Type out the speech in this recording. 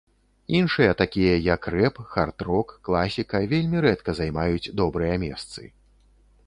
Іншыя, такія як рэп, хард-рок, класіка вельмі рэдка займаюць добрыя месцы.